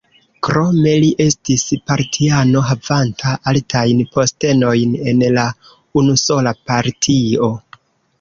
Krome li estis partiano havanta altajn postenojn en la unusola partio.